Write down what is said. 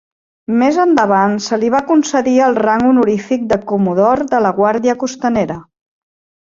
Més endavant se li va concedir el rang honorífic de Comodor de la Guàrdia Costanera.